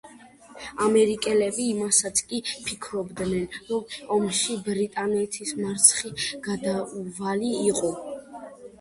ამერიკელები იმასაც კი ფიქრობდნენ, რომ ომში ბრიტანეთის მარცხი გარდაუვალი იყო.